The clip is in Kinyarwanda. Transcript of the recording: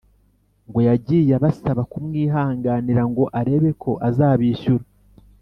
ngo "yagiye abasaba kumwihanganira ngo arebe ko azabishyura